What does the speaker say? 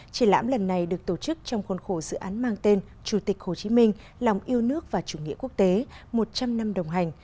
triển lãm lần này được tổ chức trong khuôn khổ dự án mang tên chủ tịch hồ chí minh lòng yêu nước và chủ nghĩa quốc tế một trăm linh năm đồng hành